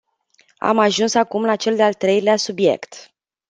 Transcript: Am ajuns acum la cel de-al treilea subiect.